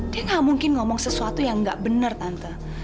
dia gak mungkin ngomong sesuatu yang gak bener tante